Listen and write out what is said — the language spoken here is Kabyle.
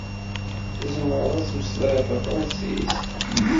Tzemreḍ ad tmeslayeḍ tafṛansist?